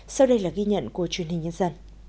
sau đây là ghi nhận của truyền hình nhân dân